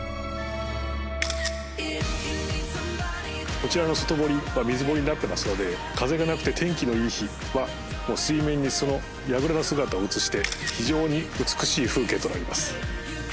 こちらの外堀は水堀になっていますので風がなくて天気のいい日は水面にその櫓の姿を映して非常に美しい風景となります。